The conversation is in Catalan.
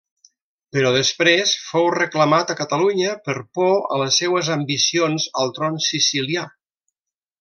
Però, després, fou reclamat a Catalunya per por a les seues ambicions al tron sicilià.